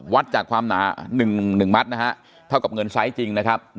วัดจากความหนา๑มัตต์นะฮะเท่ากับเงินไซส์จริงนะครับ